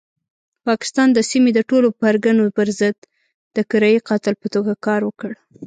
پاکستان د سیمې د ټولو پرګنو پرضد د کرایي قاتل په توګه کار وکړ.